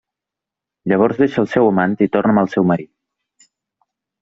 Llavors deixa el seu amant i torna amb el seu marit.